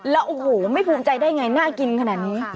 แล้วโอ้โหไม่ภูมิใจได้ไงน่ากินขนาดนี้